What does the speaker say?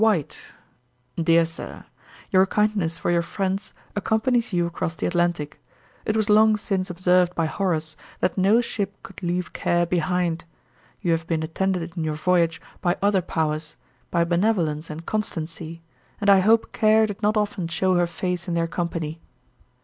WHITE. 'DEAR SIR, 'Your kindness for your friends accompanies you across the Atlantick. It was long since observed by Horace, that no ship could leave care behind; you have been attended in your voyage by other powers, by benevolence and constancy; and I hope care did not often shew her face in their company.